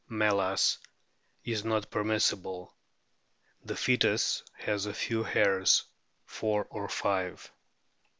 me/as is not permissible. The fcetus has a few hairs, four or five.